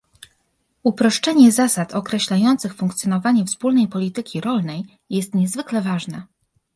Uproszczenie zasad określających funkcjonowanie Wspólnej Polityki Rolnej jest niezwykle ważne